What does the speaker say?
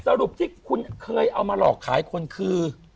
สรุปที่คุณเคยเอามาหลอกขายคนคือ